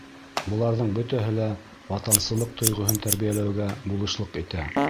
Быларҙың бөтәһе лә ватансылыҡ тойғоһон тәрбиәләүгә булышлыҡ итә.